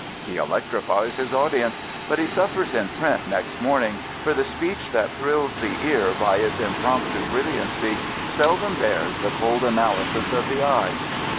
He electrifies his audience: but he suffers in print next morning, for the speech that thrills the ear by its impromptu brilliincy seldom bears the cold analysis of the eye.